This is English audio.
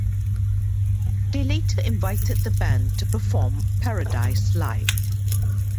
They later invited the band to perform "Paradise" live.